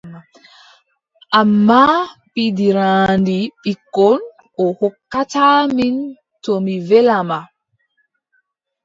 Ammaa pijiraandi ɓikkon o hokkata mi to mi weelaama.